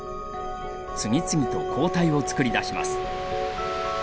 次々と抗体を作り出します。